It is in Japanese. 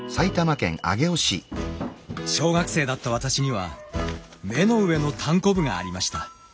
小学生だった私には目の上のたんこぶがありました。